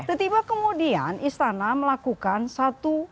tertiba kemudian istana melakukan satu tindakan